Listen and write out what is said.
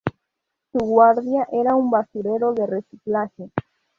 Su Guarida Era Un Basurero de Reciclaje.